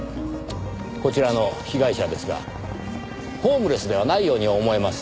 こちらの被害者ですがホームレスではないように思えます。